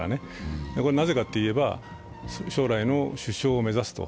なぜかといえば、将来の首相を目指すと。